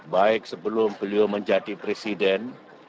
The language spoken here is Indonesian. baik sebelum beliau menjadi presiden